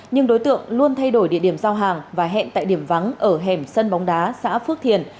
nhưng đối tượng luôn thay đổi địa điểm giao hàng và hẹn tại điểm vắng ở hẻm sân bóng đá xã phước thiền